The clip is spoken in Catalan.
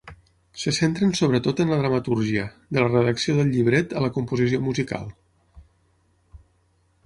Se centren sobretot en la dramatúrgia, de la redacció del llibret a la composició musical.